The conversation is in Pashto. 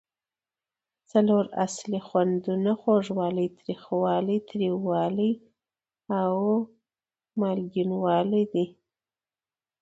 څلور اصلي خوندونه خوږوالی، تریخوالی، تریوالی او مالګینو والی دي.